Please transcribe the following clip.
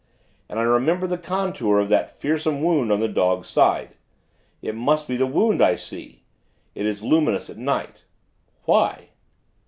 And I remember the contour of that fearsome wound on the dog's side. It must be the wound I see. It is luminous at night Why?